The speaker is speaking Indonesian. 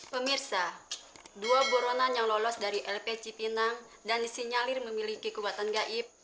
pemirsa dua boronan yang lolos dari fpc pinang ternisi nyalir memiliki kekuatan gaib